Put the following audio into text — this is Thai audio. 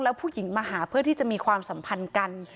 แล้วผู้หญิงมาหาเพื่อที่จะมีความสัมพันธ์กัน